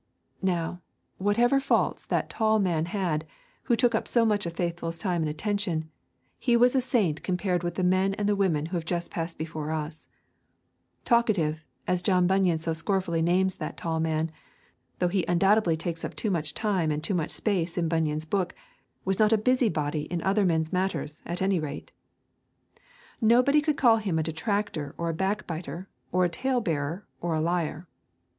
Now, whatever faults that tall man had who took up so much of Faithful's time and attention, he was a saint compared with the men and the women who have just passed before us. Talkative, as John Bunyan so scornfully names that tall man, though he undoubtedly takes up too much time and too much space in Bunyan's book, was not a busybody in other men's matters at any rate. Nobody could call him a detractor or a backbiter or a talebearer or a liar.